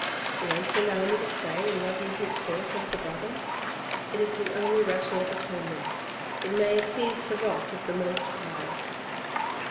" Won't you allow me to stay and love you henceforth like a brother ? It is the only rational atonement. It may appease the wrath of the Most High."